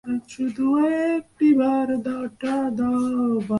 নামটাও বেছে বেছে দিয়েছে ভালো।